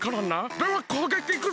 ではこうげきいくぞ！